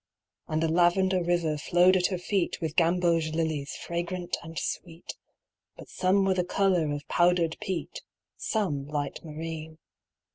And a lavender river flowed at her feet With gamboge lilies fragrant and sweet, But some were the color of powdered peat, Some light marine.